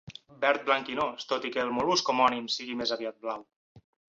Verd blanquinós, tot i que el mol·lusc homònim sigui més aviat blau.